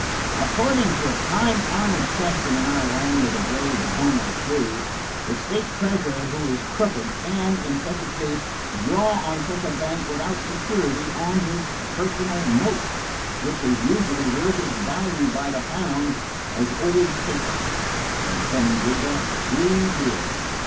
According to a time honored custom in our land of the brave and home of the free, a state treasurer who is crooked can, in such a case, draw on such a bank without security, on his personal note, which is usually worth its value by the pound as old paper." "And Fleming did that ?" "He did.